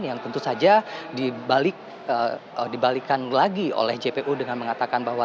yang tentu saja dibalikkan lagi oleh jpu dengan mengatakan bahwa